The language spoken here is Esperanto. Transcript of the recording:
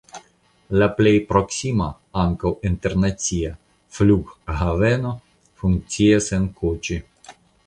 La plej proksima (ankaŭ internacia) flughaveno funkcias en Koĉi.